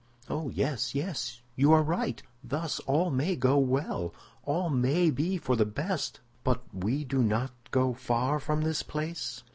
"Oh, yes, yes; you are right. Thus all may go well—all may be for the best; but we do not go far from this place?"